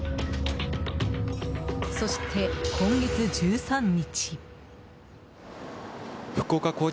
そして、今月１３日。